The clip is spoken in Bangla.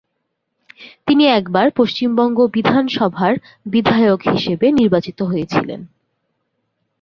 তিনি একবার পশ্চিমবঙ্গ বিধানসভার বিধায়ক হিসেবে নির্বাচিত হয়েছিলেন।